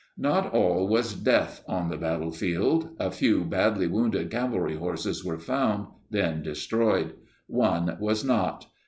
Not all was death on the battlefield. A few badly wounded cavalry horses were found, then destroyed. One was not.